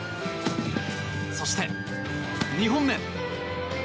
そして、２本目。